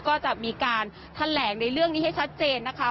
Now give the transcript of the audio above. ก็จะมีการแถลงในเรื่องนี้ให้ชัดเจนนะคะ